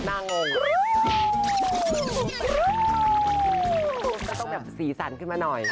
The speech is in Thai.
ก็ต้องแบบสีสันขึ้นมาหน่อย